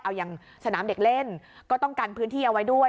เอาอย่างสนามเด็กเล่นก็ต้องกันพื้นที่เอาไว้ด้วย